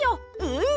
うん！